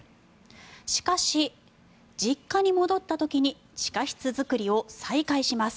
しかし、実家に戻った時に地下室作りを再開します。